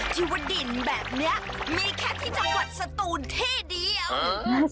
ที่ว่าดินแบบนี้มีแค่ที่จังหวัดสตูนที่เดียว